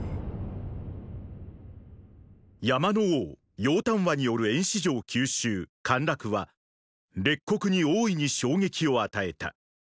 山の王楊端和による衍氏城急襲・陥落は列国に大いに衝撃を与えた。